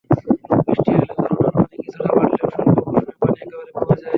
বৃষ্টি হলে ঝরনার পানি কিছুটা বাড়লেও শুষ্ক মৌসুমে পানি একেবারে কমে যায়।